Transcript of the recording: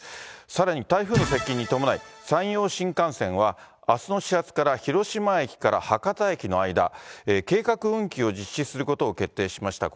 さらに台風の接近に伴い、山陽新幹線は、あすの始発から広島駅から博多駅の間、計画運休を実施することを決定しました。